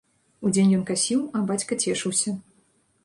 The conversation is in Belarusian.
Удзень ён касіў, а бацька цешыўся.